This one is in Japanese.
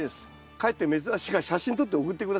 かえって珍しいから写真撮って送って下さい。